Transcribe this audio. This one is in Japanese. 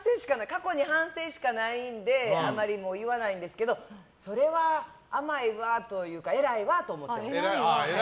過去に反省しかないのであまり言わないんですけどそれは甘いわというか偉いわと思ってます。